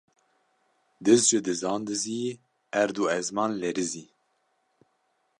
Diz ji dizan dizî, erd û ezman lerizî